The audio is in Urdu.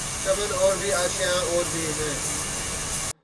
چمن اور بھی آشیاں اور بھی ہیں